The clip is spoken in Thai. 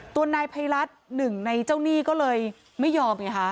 ตัวนายไพรัสหนึ่งในเจ้าหนี้ก็เลยไม่ยอม